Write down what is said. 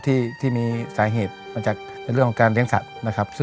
ที่มีสาเหตุมาจากในเรื่องของการเลี้ยงสัตว์นะครับ